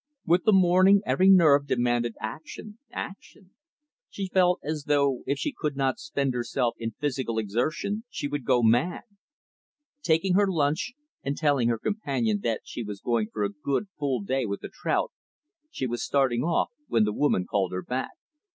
With the morning, every nerve demanded action, action. She felt as though if she could not spend herself in physical exertion she would go mad. Taking her lunch, and telling her companion that she was going for a good, full day with the trout; she was starting off, when the woman called her back.